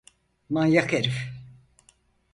Manyak herif!